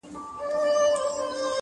چي دا ستا معاش نو ولي نه ډيريږي,